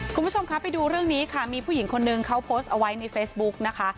คุณผู้ชมคะไปดูเรื่องนี้ค่ะมีผู้หญิงคนนึงเขาโพสต์เอาไว้ในเฟซบุ๊กนะคะ